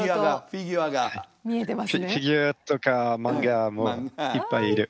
フィギュアとか漫画もいっぱいいる。